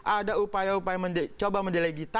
ada upaya upaya mencoba mendilegitimasi kpk